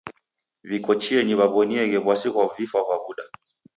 W'iko chienyi w'aw'onie w'asi ghwa vifwa va w'uda.